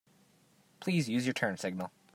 Please use your turn signal.